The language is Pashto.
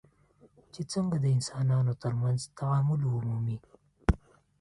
چې څنګه د انسانانو ترمنځ تعامل ومومي.